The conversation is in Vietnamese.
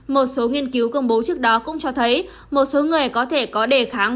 một số nghiên cứu công bố trước đó cũng cho thấy một số người có thể có đề kháng